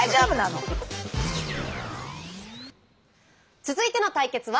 続いての対決は。